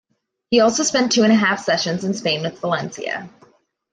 He also spent two-and-a-half seasons in Spain with Valencia.